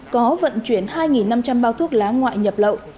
có vận chuyển hai năm trăm linh bao thuốc lá ngoại nhập lậu